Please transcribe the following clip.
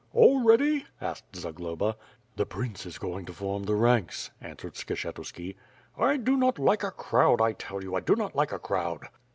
"All ready?" asked Zagloba. "The prince is going to form the ranks," answered Skshe tuski. "I do not like a crowd, I tell you, I do not like a crowd."